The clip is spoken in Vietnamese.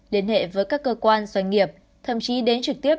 liên hệ với các cơ quan doanh nghiệp thậm chí đến trực tiếp